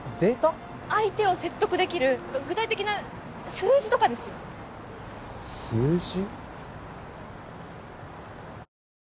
相手を説得できる具体的な数字とかですよ数字？